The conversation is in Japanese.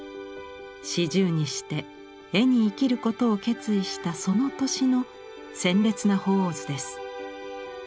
４０にして絵に生きることを決意したその年の鮮烈な鳳凰図です。